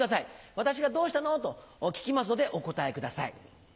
私が「どうしたの？」と聞きますのでお答えください。